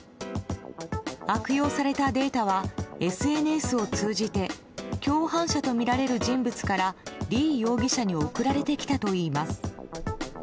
悪用されたデータはＳＮＳを通じて共犯者とみられる人物からリ容疑者に送られてきたといいます。